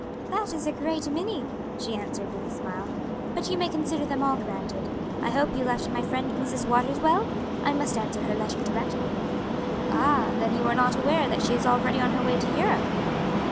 "That is a great many," she answered with a smile, "but you may consider them all granted. I hope you left my friend Mrs. Waters well? I must answer her letter directly." "Ah, then you are not aware that she is already on her way to Europe?"